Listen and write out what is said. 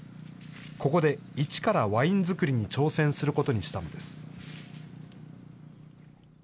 ここで一からワイン造りに挑戦することにしたのです。